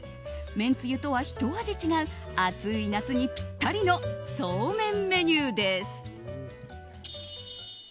めんつゆとは、ひと味違う暑い夏にぴったりのそうめんメニューです。